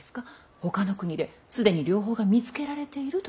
ほかの国で既に療法が見つけられているということは？